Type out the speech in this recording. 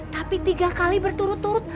tapi tiga kali berturut turut